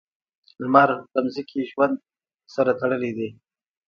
• لمر د ځمکې ژوند سره تړلی دی.